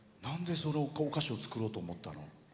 どうしてお菓子を作ろうと思ったの？